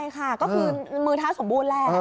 ครับก็คือมือเธาสมบูรณ์แล้ว